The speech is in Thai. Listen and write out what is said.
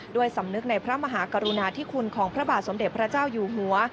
สำนึกในพระมหากรุณาธิคุณของพระบาทสมเด็จพระเจ้าอยู่หัว